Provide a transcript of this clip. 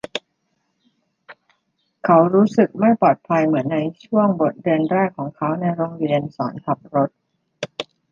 เขารู้สึกไม่ปลอดภัยเหมือนในช่วงบทเรียนแรกของเขาในโรงเรียนสอนขับรถ